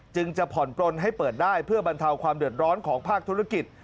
จะผ่อนปลนให้เปิดได้เพื่อบรรเทาความเดือดร้อนของภาคธุรกิจ